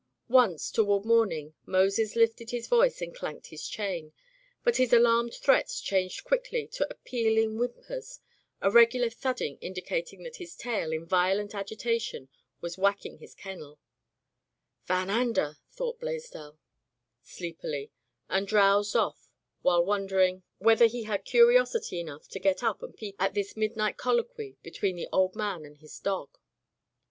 Once, toward morning, Moses lifted his voice and clanked his chain. But his alarmed threats changed quickly to appealing whim pers, a regular thudding indicating that his tail, in violent agitation, was whacking his kennel. "Van Ander," thought Blaisdell, sleepily, and drowsed off while wondering [ 333 ] Digitized by V=»OOQ IC Interventions whether he had curiosity enough to get up and peep at this midnight colloquy between the old man and his dog.